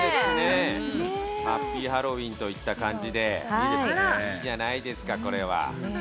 ハッピーハロウィーンといった感じで、いいじゃないですか。